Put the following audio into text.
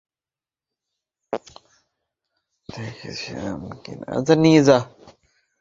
বাংলা কথাসাহিত্যের রাজকন্যা সেলিনা হোসেন জলোচ্ছ্বাসের সময় জ্যোৎস্না দেখেছিলেন কিনা, জানি না।